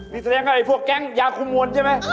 นี่แสดงอะไรพวกแก๊งยาคูมวลใช่ไหม